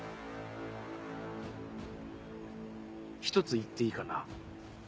一つ言っていいかな？